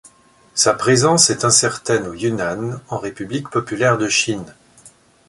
Sa présence est incertaine au Yunnan en République populaire de Chine.